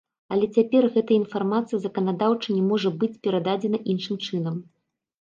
Але цяпер гэта інфармацыя заканадаўча не можа быць перададзена іншым чынам.